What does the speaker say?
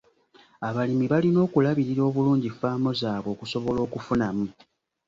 Abalimi balina okulabirira obulungi ffaamu zaabwe okusobola okufunamu.